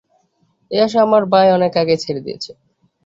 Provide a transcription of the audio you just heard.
এই আশা আমার ভাই অনেক আগেই ছেড়ে দিয়েছে।